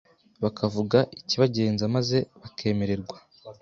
bakavuga ikibagenza maze bakemererwa